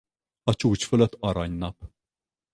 A csúcs fölött arany-nap.